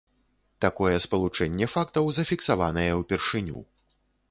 Такое спалучэнне фактаў зафіксаванае ўпершыню.